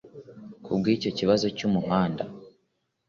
Ku bw’icyo kibazo cy’umuhanda